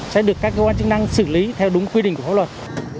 sẽ được các cơ quan chức năng xử lý theo đúng quy định của pháp luật